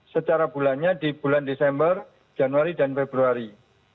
secara bulannya di bulan desember januari dan februari